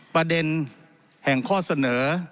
ประเด็นแห่งข้อเสนอ